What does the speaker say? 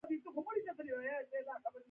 سړی په یقین سره ویلای شي.